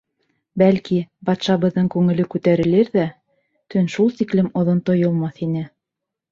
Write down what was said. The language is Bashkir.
Бәлки, батшабыҙҙың күңеле күтәрелер ҙә, төн шул тиклем оҙон тойолмаҫ ине.